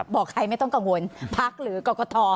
บอกใครไม่ต้องกังวลพักหรือกรกฐ